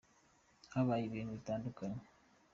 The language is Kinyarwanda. Habaye ibintu bitandukanye.